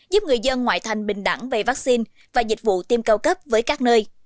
giúp người dân ngoại thành bình đẳng về vaccine và dịch vụ tiêm cao cấp với các nơi